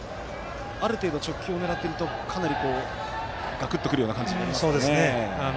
ある程度直球を狙っていると、かなりガクッとくるような感じになりますよね。